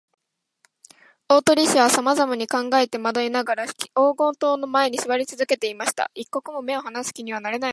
大鳥氏はさまざまに考えまどいながら、黄金塔の前にすわりつづけていました。一刻も目をはなす気になれないのです。